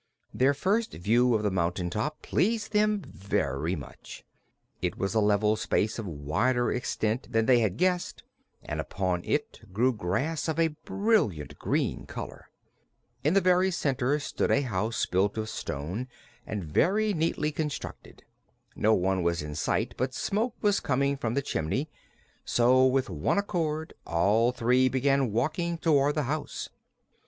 Their first view of the mountain top pleased them very much. It was a level space of wider extent than they had guessed and upon it grew grass of a brilliant green color. In the very center stood a house built of stone and very neatly constructed. No one was in sight, but smoke was coming from the chimney, so with one accord all three began walking toward the house.